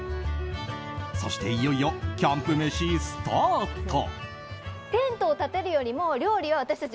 そして、いよいよキャンプ飯スタート！